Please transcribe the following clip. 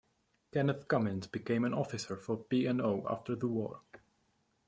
Kenneth Cummins became an officer for P and O after the war.